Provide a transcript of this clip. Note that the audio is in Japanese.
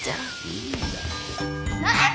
いいんだって。